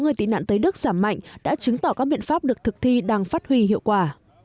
người tị nạn tới đức giảm mạnh đã chứng tỏ các biện pháp được thực thi đang phát huy hiệu quả